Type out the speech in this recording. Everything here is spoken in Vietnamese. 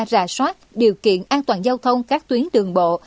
ra soát điều kiện an toàn giao thông các tuyến đường bộ